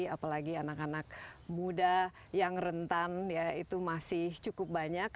apalagi anak anak muda yang rentan ya itu masih cukup banyak